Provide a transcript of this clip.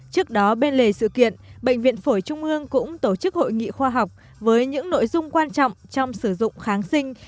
trước đó bên lề sự kiện bệnh viện phổi trung ương cũng tổ chức hội nghị khoa học với những nội dung quan trọng trong sử dụng kháng sinh